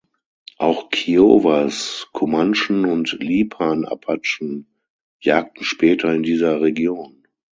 Auch Kiowas, Comanchen und Lipan-Apachen jagten später in dieser Region.